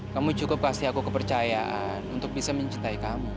kamu cukup pasti aku kepercayaan untuk bisa mencintai kamu